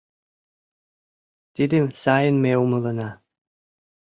Тидым сайын ме умылена